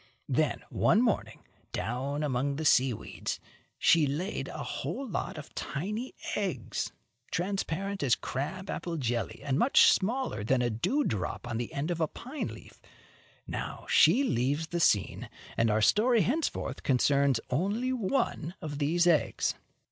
Then, one morning, down among the sea weeds, she laid a whole lot of tiny eggs, transparent as crab apple jelly and much smaller than a dew drop on the end of a pine leaf. Now she leaves the scene, and our story henceforth concerns only one of these eggs.